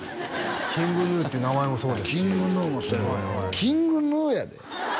ＫｉｎｇＧｎｕっていう名前もそうだしＫｉｎｇＧｎｕもそうやでＫｉｎｇＧｎｕやで？